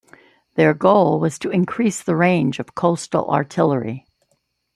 Their goal was to increase the range of coastal artillery.